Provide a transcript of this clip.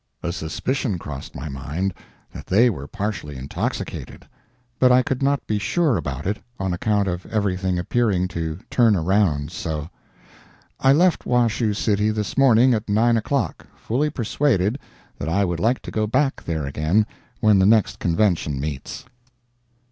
A suspicion crossed my mind that they were partially intoxicated, but I could not be sure about it on account of everything appearing to turn around so. I left Washoe City this morning at nine o'clock, fully persuaded that I would like to go back there again when the next convention meets.